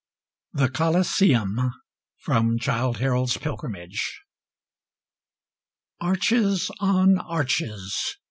THE COLISEUM From 'Childe Harold's Pilgrimage' Arches on arches!